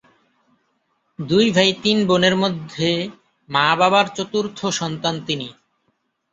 দুই ভাই তিন বোনের মধ্যে মা-বাবার চতুর্থ সন্তান তিনি।